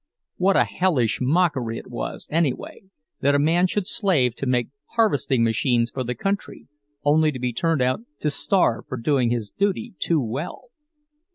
What a hellish mockery it was, anyway, that a man should slave to make harvesting machines for the country, only to be turned out to starve for doing his duty too well!